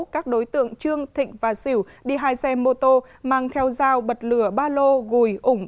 các đối tượng trương thịnh và xỉu đi hai xe mô tô mang theo dao bật lửa ba lô gùi ủng